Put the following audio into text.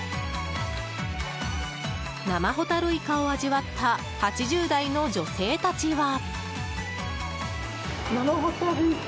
生ホタルイカを味わった８０代の女性たちは。